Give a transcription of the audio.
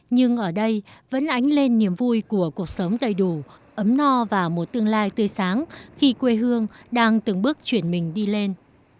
nhưng ở đây vẫn ánh lên niềm vui của cuộc sống đầy đủ ấm no và một tương lai tươi sáng khi quê hương đang từng bước chuyển mình đi lên